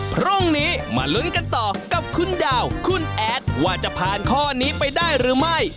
พรุ่งนี้มาลุ้นกันต่อกับคุณดาวคุณแอดว่าจะผ่านข้อนี้ไปได้หรือไม่